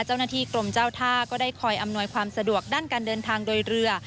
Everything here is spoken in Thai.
เจ้าหน้าที่กรมเจ้าท่าก็ได้คอยอำนวยความสะดวกด้านการเดินทางโดยเรือ